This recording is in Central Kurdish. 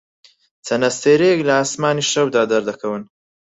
چەند ئەستێرەیەک لە ئاسمانی شەودا دەردەکەون.